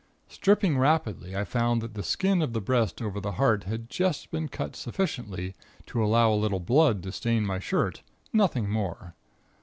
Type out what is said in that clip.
"Stripping rapidly, I found that the skin of the breast over the heart had just been cut sufficiently to allow a little blood to stain my shirt, nothing more.